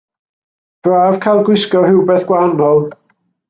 Braf cael gwisgo rhywbeth gwahanol.